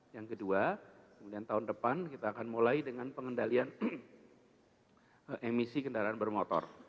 yang kedua kemudian tahun depan kita akan mulai dengan pengendalian emisi kendaraan bermotor